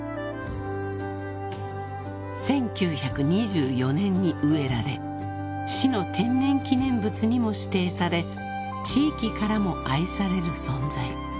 ［１９２４年に植えられ市の天然記念物にも指定され地域からも愛される存在］